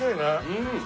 うん。